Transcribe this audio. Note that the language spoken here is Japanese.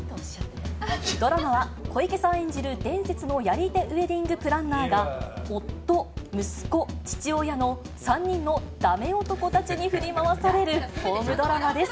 ドラマは小池さん演じる、伝説のやり手ウエディングプランナーが、夫、息子、父親の３人のダメ男たちに振り回されるホームドラマです。